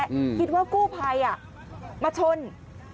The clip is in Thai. โรดเจ้าเจ้าเจ้าเจ้าเจ้าเจ้าเจ้าเจ้าเจ้าเจ้า